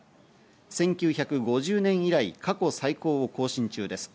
１９５０年以来、過去最高を更新中です。